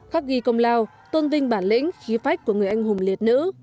khắc ghi công lao tôn vinh bản lĩnh khí phách của người anh hùng liệt nữ